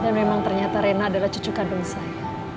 dan memang ternyata reina adalah cucu kandung saya